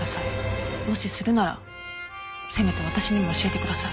もしするならせめて私にも教えてください。